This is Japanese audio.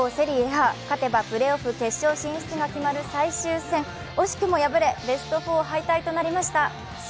Ａ、勝てばプレーオフ決勝進出が決まる最終戦、惜しくも敗れベスト４敗退となりました。